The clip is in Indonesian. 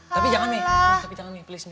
tapi jangan mi tapi jangan mi please mi